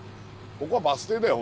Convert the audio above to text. ここはバス停だよ